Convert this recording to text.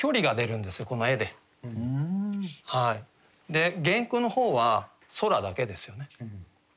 で原句の方は「空」だけですよね。